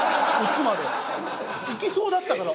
いきそうだったから。